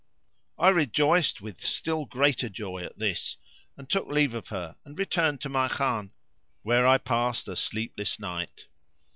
I rejoiced with still greater joy at this; and took leave of her and returned to my Khan, where I passed a sleepless night.